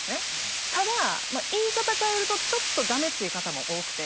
ただ言い方変えるとちょっとがめつい方も多くて。